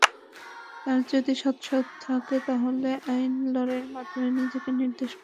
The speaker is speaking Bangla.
তাঁর যদি সৎসাহস থাকে, তাহলে আইনি লড়াইয়ের মাধ্যমে নিজেকে নির্দোষ প্রমাণ করুন।